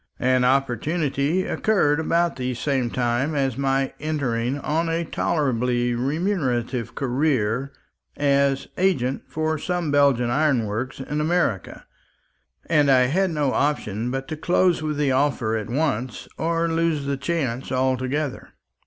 An opportunity occurred about the same time of my entering on a tolerably remunerative career as agent for some Belgian ironworks in America; and I had no option but to close with the offer at once or lose the chance altogether.